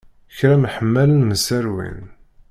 Kra mḥemmalen mserwin.